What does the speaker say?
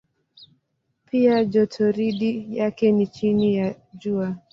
Pia jotoridi yake ni chini ya Jua.